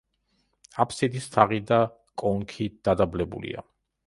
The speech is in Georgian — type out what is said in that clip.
აფსიდის თაღი და კონქი დადაბლებულია.